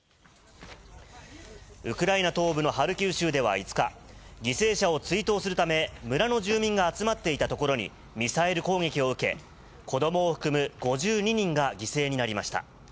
ウクライナ東部のハルキウ州では５日、犠牲者を追悼するため、村の住民が集まっていたところにミサイル攻撃を受け、子どもを含む５２人が犠牲になりました。